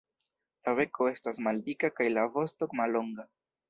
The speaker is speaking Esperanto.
La beko estas maldika kaj la vosto mallonga.